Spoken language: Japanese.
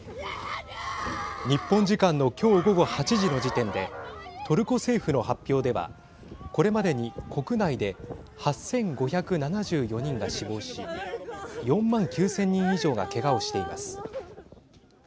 日本時間の今日午後８時の時点でトルコ政府の発表ではこれまでに国内で８５７４人が死亡し４万９０００人以上がけがをしています。